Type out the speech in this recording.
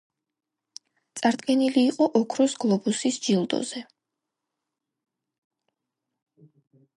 წარდგენილი იყო ოქროს გლობუსის ჯილდოზე.